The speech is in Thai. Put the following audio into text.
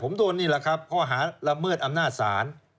ผมโดนนี่แหละครับข้อหาละเมิดอำนาจศาล